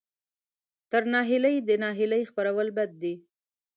تر ناهیلۍ د ناهیلۍ خپرول بد دي.